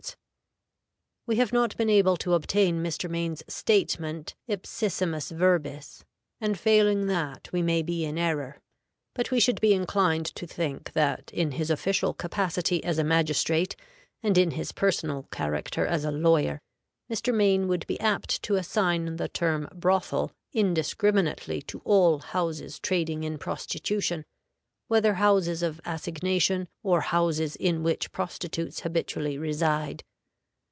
4 """ (as in Dublin) would give 13,340 " 3 """ (as in Cork) "" 10,005 " We have not been able to obtain Mr. Mayne's statement ipsissimis verbis, and failing that we may be in error, but we should be inclined to think that, in his official capacity as a magistrate, and in his personal character as a lawyer, Mr. Mayne would be apt to assign the term "brothel" indiscriminately to all houses trading in prostitution, whether houses of assignation or houses in which prostitutes habitually reside.